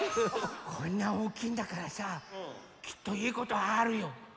こんなおおきいんだからさきっといいことあるよ！